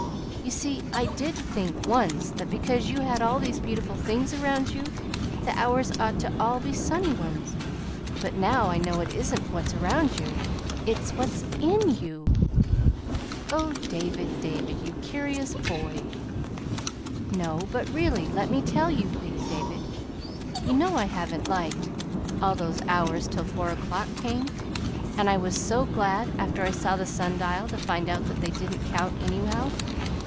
You see, I did think, once, that because you had all these beautiful things around you, the hours ought to be all sunny ones. But now I know it isn't what's around you; it's what is IN you!" "Oh, David, David, you curious boy!" "No, but really! Let me tell you," pleaded David. "You know I haven't liked them, all those hours till four o'clock came, and I was so glad, after I saw the sundial, to find out that they didn't count, anyhow.